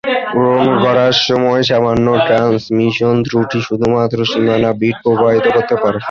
গ্রহণ করার সময় সামান্য ট্রান্সমিশন ত্রুটি শুধুমাত্র সীমানা বিট প্রভাবিত করতে পারে।